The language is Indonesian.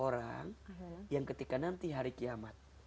orang yang ketika nanti hari kiamat